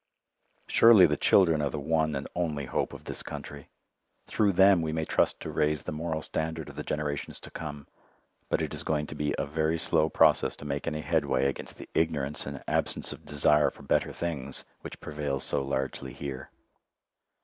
Surely the children are the one and only hope of this country. Through them we may trust to raise the moral standard of the generations to come, but it is going to be a very slow process to make any headway against the ignorance and absence of desire for better things which prevails so largely here.